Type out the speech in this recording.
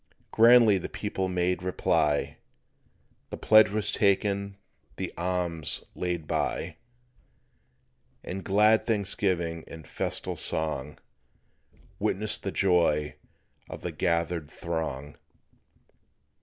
Grandly the people made reply; The pledge was taken, the arms laid by, And glad thanksgiving and festal song Witnessed the joy of the gathered throng.